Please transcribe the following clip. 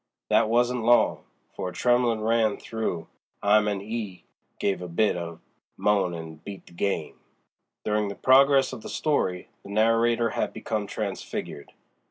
That wasn't long, for a tremblin' ran through 'im and 'e gave a bit of a moan an' beat the game." During the progress of the story the narrator had become transfigured.